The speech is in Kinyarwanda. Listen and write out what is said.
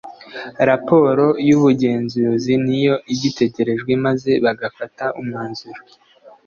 Raporo y’ ubugenzuzi niyo igitegerejwe maze bagafata umwanzuro